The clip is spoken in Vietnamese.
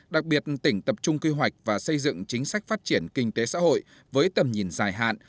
đặc biệt tỉnh tập trung quy hoạch và xây dựng chính sách phát triển kinh tế xã hội với tầm nhìn dài hạn